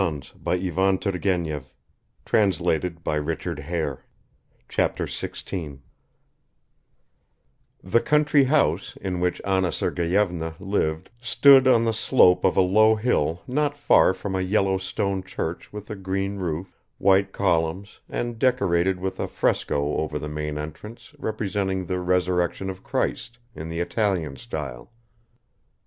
.. "Well, they can wait what does it matter!" Chapter 16 THE COUNTRY HOUSE IN WHICH ANNA SERGEYEVNA LIVED STOOD on the slope of a low hill not far from a yellow stone church with a green roof, white columns, and decorated with a fresco over the main entrance, representing The Resurrection of Christ in the Italian style.